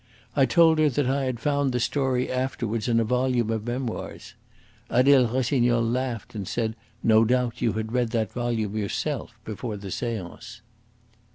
I told her that I had found the story afterwards in a volume of memoirs. Adele Rossignol laughed and said no doubt you had read that volume yourself before the seance."